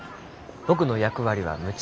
僕の役割はムチ。